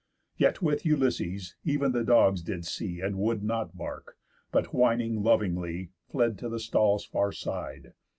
_ Yet, with Ulysses, ev'n the dogs did see, And would not bark, but, whining lovingly, Fled to the stall's far side.